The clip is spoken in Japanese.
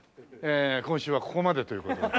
今週はここまでという事で。